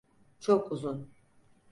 Çok uzun.